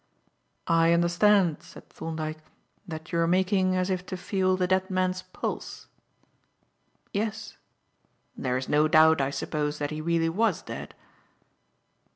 "I understand," said Thorndyke, "that you were making as if to feel the dead man's pulse?" "Yes." "There is no doubt, I suppose, that he really was dead?"